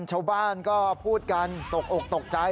ชาวบ้านก็พูดกันตกอกตกใจ